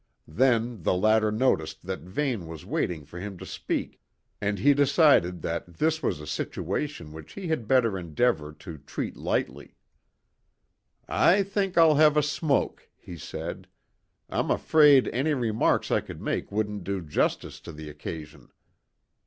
Then the latter noticed that Vane was waiting for him to speak, and he decided that this was a situation which he had better endeavour to treat lightly. "I think I'll have a smoke," he said. "I'm afraid any remarks I could make wouldn't do justice to the occasion.